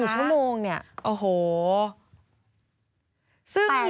๔ชั่วโมงเนี่ย